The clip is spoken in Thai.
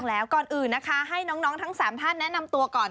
แล้วก่อนอื่นนะคะให้น้องทั้ง๓ท่านแนะนำตัวก่อน